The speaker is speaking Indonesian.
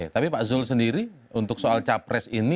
tapi pak zul sendiri untuk soal capres ini